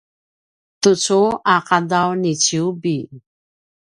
tucu a qadaw niciubi